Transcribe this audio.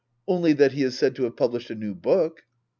Only that he is said to have published a new book.